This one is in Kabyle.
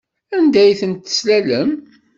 Anda ay tent-teslalem?